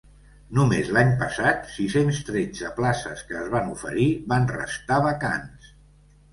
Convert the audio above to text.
Només l’any passat, sis-cents tretze places que es van oferir van restar vacants.